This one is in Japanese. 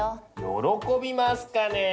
喜びますかね